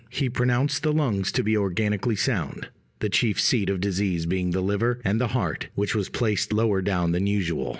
He pronounced the lungs to be organically sound; the chief seat of disease being the liver, and the heart, which was placed lower down than usual.